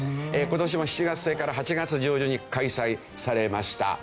今年も７月末から８月上旬に開催されました。